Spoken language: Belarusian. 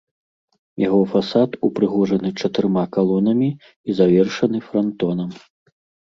Яго фасад упрыгожаны чатырма калонамі і завершаны франтонам.